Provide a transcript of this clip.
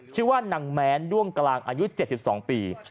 ชื่อว่านางแม้นด้วงกลางอายุ๗๒ปี